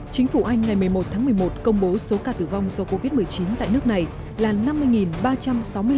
chính phủ anh ngày một mươi một tháng một mươi một công bố số ca tử vong do covid một mươi chín tại nước này là năm mươi ba trăm sáu mươi ba ca